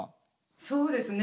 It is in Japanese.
そうですね